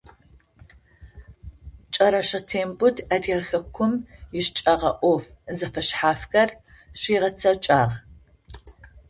Кӏэрэщэ Тембот Адыгэ Хэкум ищыкӏэгъэ ӏоф зэфэшъхьафхэр щигъэцэкӏагъ.